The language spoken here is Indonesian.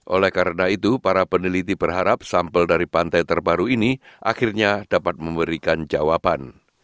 oleh karena itu para peneliti berharap sampel dari pantai terbaru ini akhirnya dapat memberikan jawaban